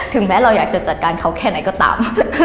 แม้เราอยากจะจัดการเขาแค่ไหนก็ตาม